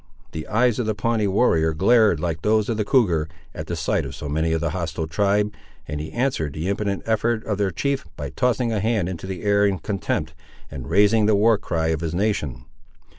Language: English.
The eyes of the Pawnee warrior glared like those of the cougar, at the sight of so many of the hostile tribe, and he answered the impotent effort of their chief, by tossing a hand into the air in contempt, and raising the war cry of his nation.